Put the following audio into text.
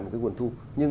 một cái nguồn thu